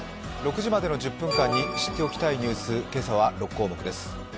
６時までの１０分間で知っておきたいニュース、今朝は６項目です。